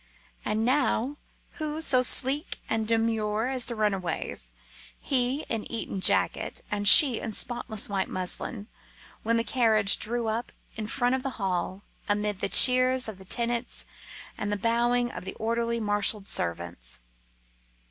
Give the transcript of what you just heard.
And, now, who so sleek and demure as the runaways, he in Eton jacket and she in spotless white muslin, when the carriage drew up in front of the hall, amid the cheers of the tenants and the bowing of the orderly, marshalled servants?